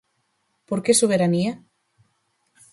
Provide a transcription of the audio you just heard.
Por que soberanía?